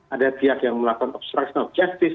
ada pihak yang melakukan obstruction of justice